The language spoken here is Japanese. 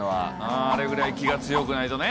あれぐらい気が強くないとね。